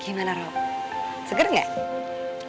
gimana rob seger gak